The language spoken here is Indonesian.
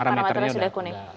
parameternya sudah kuning